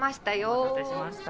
お待たせしました。